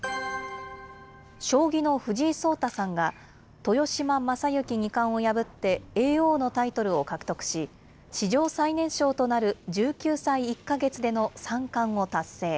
将棋の藤井聡太さんが、豊島将之二冠を破って叡王のタイトルを獲得し、史上最年少となる１９歳１か月での三冠を達成。